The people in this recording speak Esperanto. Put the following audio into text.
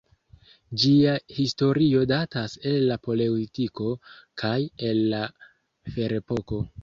Ĝia historio datas el la Paleolitiko kaj el la Ferepoko.